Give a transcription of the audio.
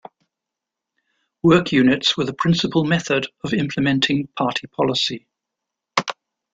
Work units were the principal method of implementing party policy.